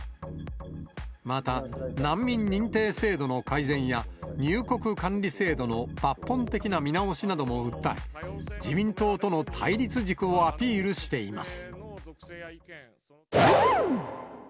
また、難民認定制度の改善や、入国管理制度の抜本的な見直しなども訴え、自民党との対立軸をアピールしています。